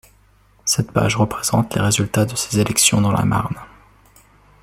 Cette page présente les résultats de ces élections dans la Marne.